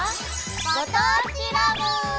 「ご当地ＬＯＶＥ」。